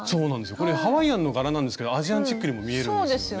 これハワイアンの柄なんですけどアジアンチックにも見えるんですよね。